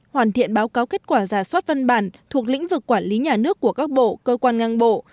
hoàn thiện báo cáo kết quả giả soát văn bản thuộc lĩnh vực quản lý nhà nước của các bộ cơ quan ngang bộ